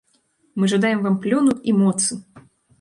Мы жадаем вам плёну і моцы!